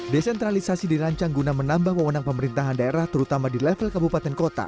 desentralisasi dirancang guna menambah pemenang pemerintahan daerah terutama di level kabupaten kota